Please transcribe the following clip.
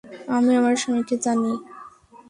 আমি আমার স্বামীকে জানি।